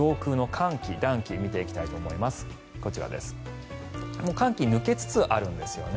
寒気、抜けつつあるんですよね。